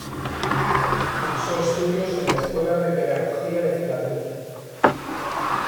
Cursó estudios en la Escuela de Pedagogía de Filadelfia.